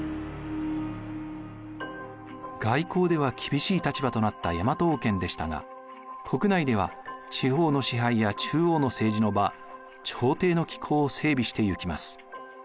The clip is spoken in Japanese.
外交では厳しい立場となった大和王権でしたが国内では地方の支配や中央の政治の場朝廷の機構を整備していきます。